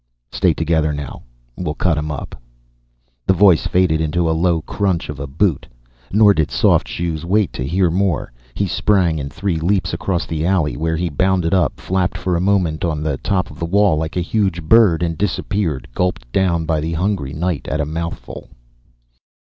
"Stay together now and we'll cut him up." The voice faded into a low crunch of a boot, nor did Soft Shoes wait to hear more he sprang in three leaps across the alley, where he bounded up, flapped for a moment on the top of the wall like a huge bird, and disappeared, gulped down by the hungry night at a mouthful.